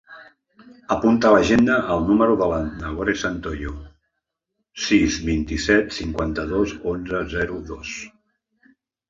Apunta a l'agenda el número de la Nagore Santoyo: sis, vint-i-set, cinquanta-dos, onze, zero, dos.